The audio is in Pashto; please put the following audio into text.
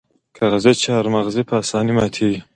کاغذي چهارمغز په اسانۍ ماتیږي.